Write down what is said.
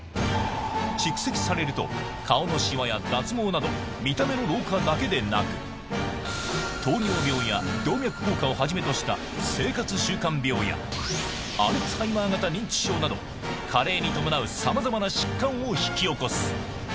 蓄積されると、顔のしわや脱毛など、見た目の老化だけでなく、糖尿病や動脈硬化をはじめとした生活習慣病や、アルツハイマー型認知症など、加齢に伴うさまざまな疾患を引き起こす。